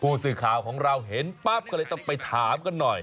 ผู้สื่อข่าวของเราเห็นปั๊บก็เลยต้องไปถามกันหน่อย